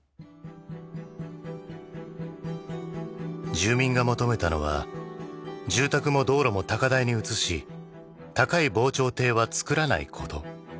住民が求めたのは住宅も道路も高台に移し高い防潮堤は造らないこと。